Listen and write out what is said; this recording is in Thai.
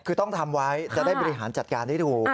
คือต้องทำไว้จะได้บริหารจัดการให้ถูก